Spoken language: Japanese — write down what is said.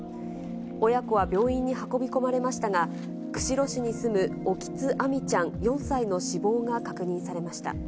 親子は病院に運び込まれましたが、釧路市に住む沖津亜海ちゃん４歳の死亡が確認されました。